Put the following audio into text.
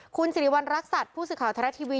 คุณสิริวัณรักษัตริย์ผู้สื่อข่าวไทยรัฐทีวี